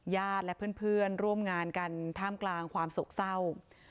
และเพื่อนร่วมงานกันท่ามกลางความโศกเศร้า